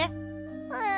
うん。